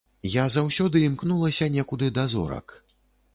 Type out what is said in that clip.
Я заўсёды імкнулася некуды да зорак.